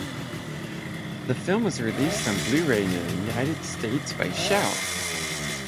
The film was released on Blu-ray in the United States by Shout!